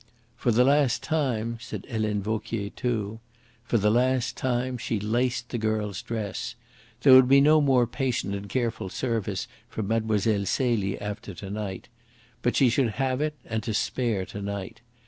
"For the last time," said Helene Vauquier too. For the last time she laced the girl's dress. There would be no more patient and careful service for Mlle. Celie after to night. But she should have it and to spare to night.